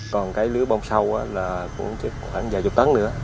còn cái lứa bông sau là khoảng vài chục tấn nữa